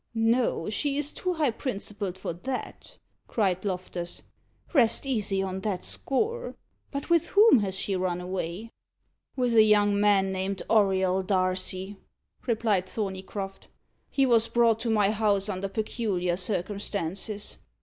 "No, she is too high principled for that," cried Loftus. "Rest easy on that score. But with whom has she run away?" "With a young man named Auriol Darcy," replied Thorneycroft. "He was brought to my house under peculiar circumstances."